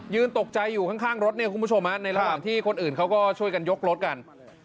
ตกใจอยู่ข้างรถเนี่ยคุณผู้ชมในระหว่างที่คนอื่นเขาก็ช่วยกันยกรถกัน